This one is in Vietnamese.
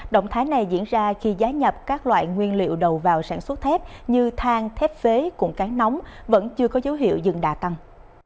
động thái này diễn ra khi giá nhập các loại nguyên liệu đầu vào sản xuất thép như thang thép phế cuộn cán nóng vẫn chưa có dấu hiệu dừng đà tăng